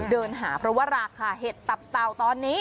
เดินหาเพราะว่าราคาเห็ดตับเต่าตอนนี้